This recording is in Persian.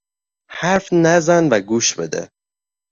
حرف نزن و گوش بده!